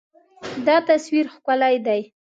دا تصویر ښکلی دی.